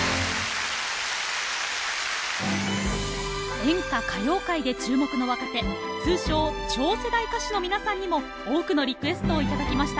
演歌・歌謡界で注目の若手通称「超世代歌手」の皆さんにも多くのリクエストを頂きました。